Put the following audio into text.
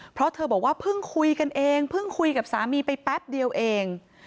เพราะเธอบอกว่าเพิ่งคุยกันเองเพิ่งคุยกับสามีไปแป๊บเดียวเอง